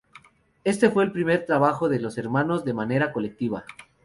Este fue el primer trabajo de los hermanos de manera colectiva.